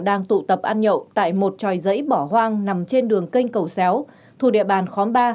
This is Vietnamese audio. đang tụ tập ăn nhậu tại một tròi giấy bỏ hoang nằm trên đường kênh cầu xéo thuộc địa bàn khóm ba